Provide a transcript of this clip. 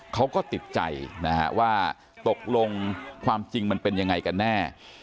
เขาก็ติดใจนะฮะว่าตกลงความจริงมันเป็นยังไงกันแน่